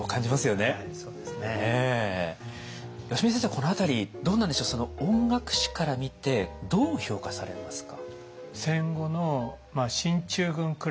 この辺りどうなんでしょう音楽史から見てどう評価されますか？